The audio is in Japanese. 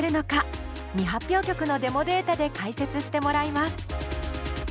未発表曲のデモデータで解説してもらいます。